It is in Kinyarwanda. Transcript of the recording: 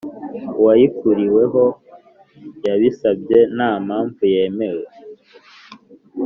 uwayikuriwemo yabisabye nta mpamvu yemewe